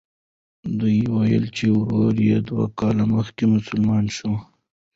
ده وویل چې ورور یې دوه کاله مخکې مسلمان شو.